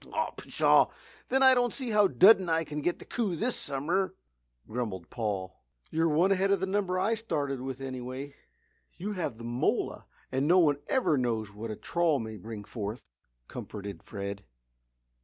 "O pshaw! Then I don't see how Dud and I can get the coup this summer," grumbled Paul. "You're one ahead of the number I started with, anyway. You have that mola and no one ever knows what a trawl may bring forth," comforted Fred.